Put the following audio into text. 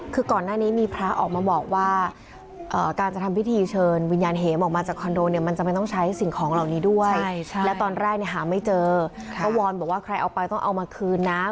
แล้วตอนแรกไม่เจอเพราะวัลบอกว่าใครเอาไปต้องเอามาคืนน้ำ